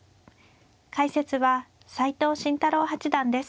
解説は斎藤慎太郎八段です。